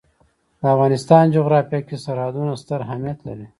د افغانستان جغرافیه کې سرحدونه ستر اهمیت لري.